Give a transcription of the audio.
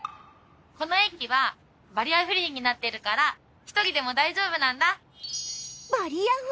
この駅はバリアフリーになってるから１人でも大丈夫なんだ。